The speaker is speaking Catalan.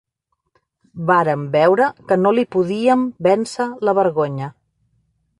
Vàrem veure que no li podíem vèncer la vergonya